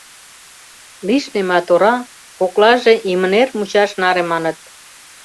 Лишне ма, тора — коклаже имынер мучаш наре, маныт.